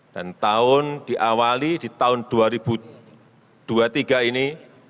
tahun diawali di tahun dua ribu dua puluh tiga ini